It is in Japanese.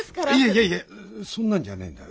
いやいやそんなんじゃねえんだ